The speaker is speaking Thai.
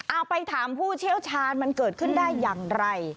เอาไปถามผู้เชี่ยวชาญมันเกิดขึ้นได้อย่างไร